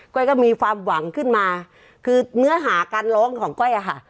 ้อยก็มีความหวังขึ้นมาคือเนื้อหาการร้องของก้อยอะค่ะ